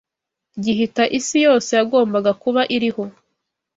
gihita isi yose yagombaga kuba iriho